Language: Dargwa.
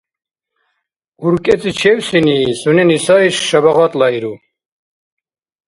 УркӀецӀичевсини сунени сай шабагъатлаиру.